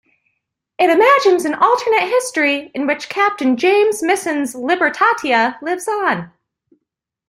It imagines an alternate history in which Captain James Misson's Libertatia lives on.